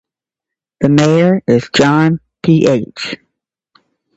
The mayor is John Ph.